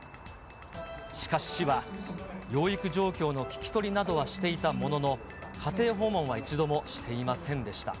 しかし市は、養育状況の聞き取りなどはしていたものの、家庭訪問は一度もしていませんでした。